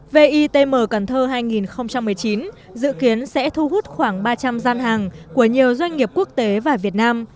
vitm cần thơ hai nghìn một mươi chín dự kiến sẽ thu hút khoảng ba trăm linh gian hàng của nhiều doanh nghiệp quốc tế và việt nam